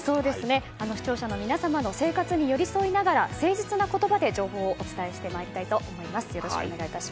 視聴者の皆様の生活に寄り添いながら、誠実な言葉で情報をお伝えしてまいりたいと思います。